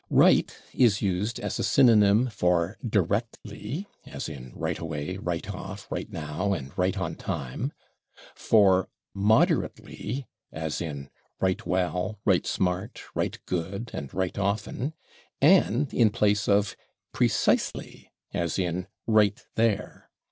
/Right/ is used as a synonym for /directly/, as in /right away/, /right off/, /right now/ and /right on time/; for /moderately/, as in /right well/, /right smart/, /right good/ and /right often/, and in place of /precisely/, as in /right there